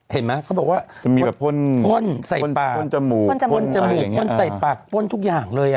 เห็นไหมเขาบอกว่าจะมีแบบพ่นใส่ปากพ่นจมูกพ่นจมูกพ่นใส่ปากป้นทุกอย่างเลย